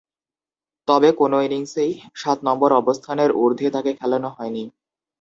তবে, কোন ইনিংসেই সাত নম্বর অবস্থানের ঊর্ধ্বে তাকে খেলানো হয়নি।